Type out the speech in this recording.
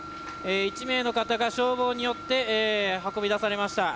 １名の方が消防によって運び出されました。